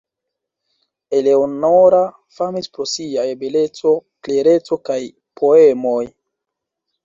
Eleonora famis pro siaj beleco, klereco kaj poemoj.